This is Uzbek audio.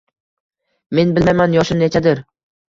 Men bilmayman yoshim nechadir?